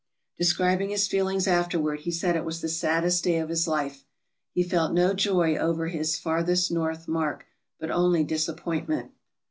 Describing his feelings afterward, he said it was the saddest day of his life. He felt no joy over his " farthest north" mark, but only disappointment.